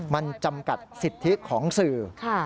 มันจำกัดสิทธิของสื่อ